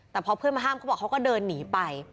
แต่พอเพื่อนมาห้ามเขาบอกเขาก็เดินหนีไป